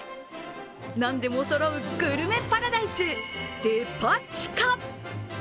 何でもそろうグルメパラダイス、デパ地下！